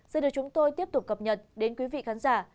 sẽ được chúng tôi tiếp tục cập nhật đến quý vị khán giả